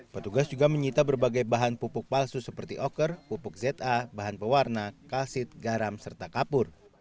petugas juga menyita berbagai bahan pupuk palsu seperti oker pupuk za bahan pewarna kalsit garam serta kapur